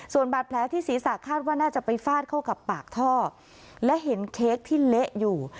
ส่วนบาดแผลที่ศีรษะคาดว่าน่าจะไปฟาดเข้ากับปากท่อและเห็นเค้กที่เละอยู่